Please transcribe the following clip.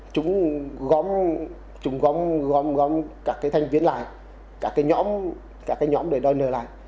chúng gom các cái thanh viên lại các cái nhóm để đòi nợ lại